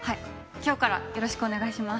今日からよろしくお願いします。